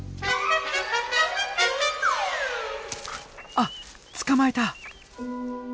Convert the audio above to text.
あっ捕まえた！